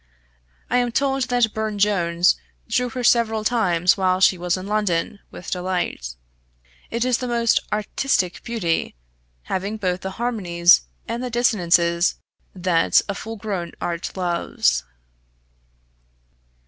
I am told that Burne Jones drew her several times while she was in London, with delight. It is the most artistic beauty, having both the harmonies and the dissonances that a full grown art loves.